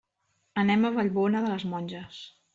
Anem a Vallbona de les Monges.